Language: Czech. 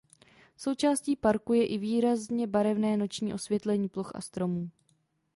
Součástí parku je i výrazně barevné noční osvětlení ploch a stromů.